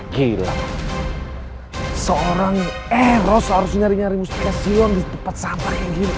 gila seorang eros harusnya nyari nyari mustika xion di tempat sampah kayak gini